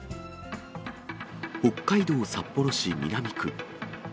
北海道札幌市南区。